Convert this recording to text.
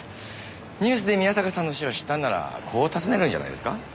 ニュースで宮坂さんの死を知ったんならこう尋ねるんじゃないですか？